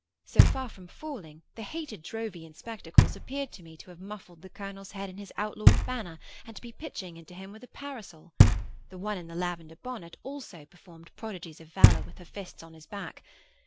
So far from falling, the hated Drowvey in spectacles appeared to me to have muffled the colonel's head in his outlawed banner, and to be pitching into him with a parasol. The one in the lavender bonnet also performed prodigies of valour with her fists on his back.